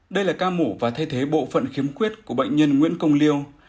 đây là ca mổ và thay thế bộ phận khiếm khuyết của bệnh nhân nguyễn công liêu